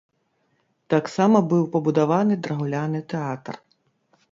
Таксама быў пабудаваны драўляны тэатр.